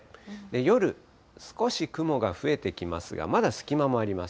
夜、少し雲が増えてきますが、まだ隙間もあります。